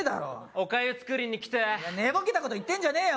おかゆ作りに来て寝ぼけたこと言ってんじゃねえよ